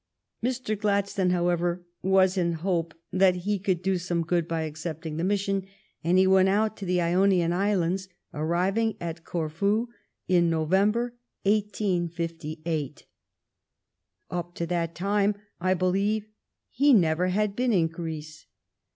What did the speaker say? Mr. Gladstone, however, was in hope that he could do some good by accepting the mission, and he went out to the Ionian Islands, arriving at Corfu in November, 1858. Up to that time I believe he never had been in Greece.